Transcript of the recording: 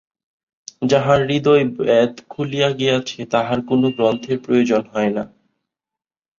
যাঁহার হৃদয়-বেদ খুলিয়া গিয়াছে, তাঁহার কোন গ্রন্থের প্রয়োজন হয় না।